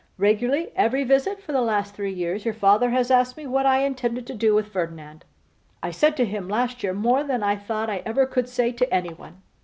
'Regularly every visit for the last three years your father has asked me what I intended to do with Ferdinand. I said to him last year more than I thought I ever could say to anyone.